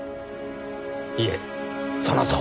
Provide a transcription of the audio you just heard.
いえそのとおり。